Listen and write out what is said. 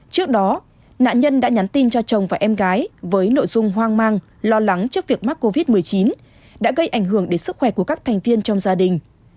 trước đó nạn nhân đã nhắn tin cho chồng và em gái với nội dung hoang mang lo lắng trước việc mắc covid một mươi chín đã gây ảnh hưởng đến sức khỏe của các thành viên trong gia đình